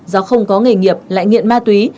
do không có nghề nghiệp lại nghiện ma túy